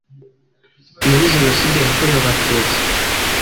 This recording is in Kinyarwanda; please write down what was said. muri Jenoside yakorewe Abatutsi,